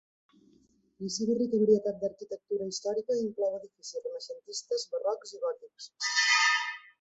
La seva rica varietat d'arquitectura històrica inclou edificis renaixentistes, barrocs i gòtics.